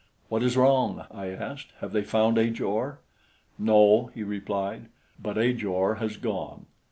"What is wrong?" I asked. "Have they found Ajor?" "No," he replied; "but Ajor has gone.